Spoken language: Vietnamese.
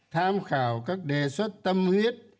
tham khảo các đề xuất tâm huyết